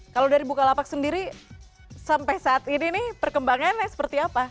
kalau dari bukalapak sendiri sampai saat ini nih perkembangannya seperti apa